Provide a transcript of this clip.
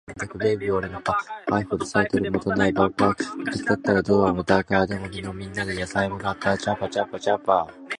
誰もいなくなった